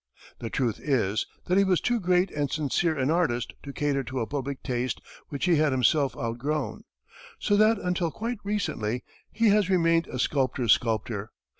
The truth is that he was too great and sincere an artist to cater to a public taste which he had himself outgrown; so that, until quite recently, he has remained a sculptor's sculptor.